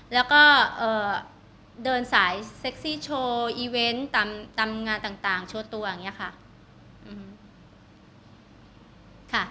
แล้วก็เดินสายเซ็กซี่โชว์อีเวนต์ตามงานต่างโชว์ตัวอย่างนี้ค่ะ